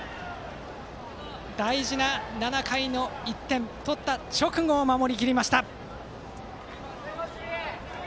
大事な７回の１点を取った直後、守りきりました。